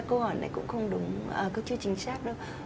thực ra câu hỏi này cũng không đúng cũng chưa chính xác đâu